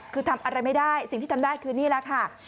คือทำอะไรไม่ได้สิ่งที่ทำได้คือนี่แหละค่ะ